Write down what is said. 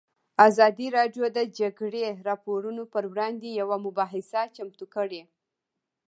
ازادي راډیو د د جګړې راپورونه پر وړاندې یوه مباحثه چمتو کړې.